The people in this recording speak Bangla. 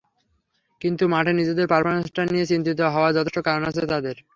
কিন্তু মাঠে নিজেদের পারফরম্যান্সটা নিয়ে চিন্তিত হওয়ার যথেষ্টই কারণ আছে তাদের।